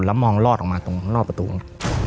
แล้วมองลอดออกมาตรงรอบประตูมัน